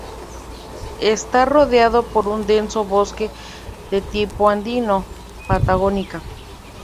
Está rodeado por un denso bosque de tipo andino-patagónica.